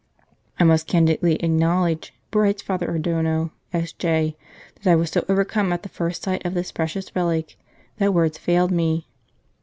" I must candidly acknowledge," writes Father Adorno, S.J., " that I was so overcome at the first sight of this precious relic that words failed me.